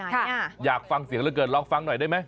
อยากฟังเสียงเหลือเกินลองฟังหน่อยได้ไหม